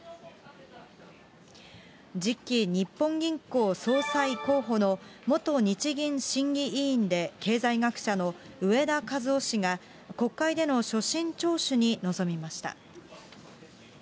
次期日本銀行総裁候補の、元日銀審議委員で経済学者の植田和男氏が、国会での所信聴取に臨みました。